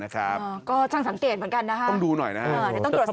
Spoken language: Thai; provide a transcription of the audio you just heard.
ก็ดูหน่อยนะครับ